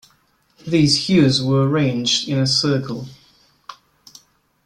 These hues were arranged in a circle.